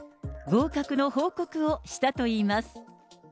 合格の報告をしたといいます。